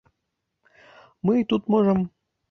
Мы й тут можам.